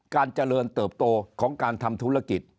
การเจริญเติบโตของการทำธุรกิจ